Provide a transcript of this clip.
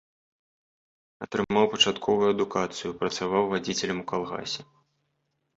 Атрымаў пачатковую адукацыю, працаваў вадзіцелем у калгасе.